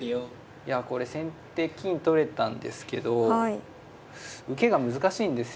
いやこれ先手金取れたんですけど受けが難しいんですよね。